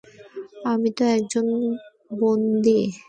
আমি তো একজন বন্দী।